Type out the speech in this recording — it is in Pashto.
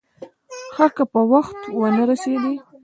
ښه که په وخت ونه رسېدې.